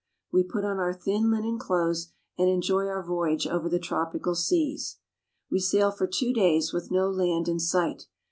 We put on our thin linen clothes and enjoy our voyage over the tropical seas. We sail for two days with no land in sight.